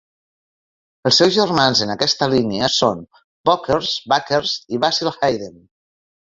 Els seus germans en aquesta línia són Booker's, Baker's i Basil Hayden.